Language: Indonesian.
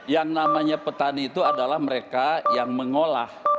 yang namanya petani itu adalah mereka yang mengolah